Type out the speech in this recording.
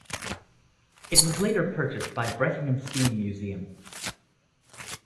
It was later purchased by Bressingham Steam Museum.